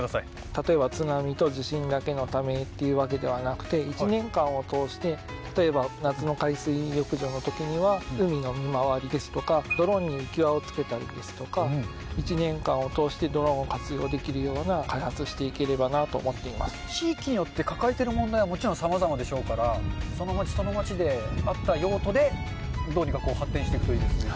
例えば津波と地震だけのためというわけではなくて、１年間を通して、例えば夏の海水浴場のときには海の見回りですとか、ドローンに浮き輪をつけたりですとか、１年間を通してドローンを活用できるような開発をしていけ地域によって抱えてる問題はもちろん、さまざまでしょうから、その街その街で合った用途で、どうにか発展していくといいですね。